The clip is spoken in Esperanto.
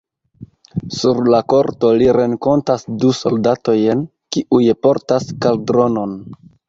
Sur la korto li renkontas du soldatojn, kiuj portas kaldronon.